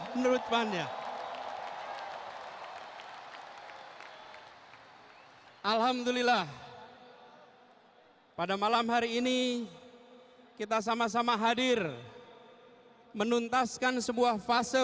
menurut pan ya alhamdulillah pada malam hari ini kita sama sama hadir menuntaskan sebuah fase